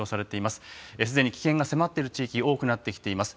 すでに危険が迫っている地域、多くなってきています。